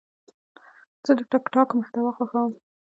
زه د ټک ټاک محتوا خوښوم.